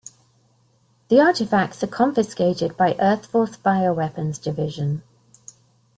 The artifacts are confiscated by EarthForce Bioweapons Division.